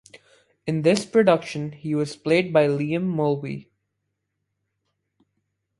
In this production he was played by Liam Mulvey.